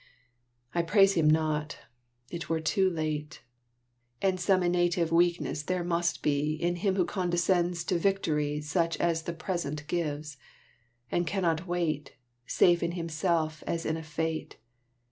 I praise him not; it were too late; And some innative weakness there must be In him who condescends to victory Such as the Present gives, and cannot wait, Safe in himself as in a fate.